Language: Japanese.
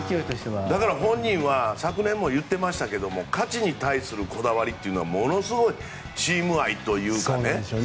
だから、本人は昨年も言ってましたけど勝ちに対するこだわりというのはものすごいチーム愛というか。